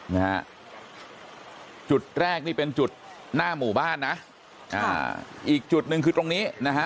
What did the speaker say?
นะฮะจุดแรกนี่เป็นจุดหน้าหมู่บ้านนะอ่าอีกจุดหนึ่งคือตรงนี้นะฮะ